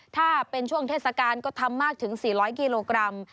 ถ้าเป็นช่วงเทศกาลก็ทำมากถึง๔๐๐กิโลกรัม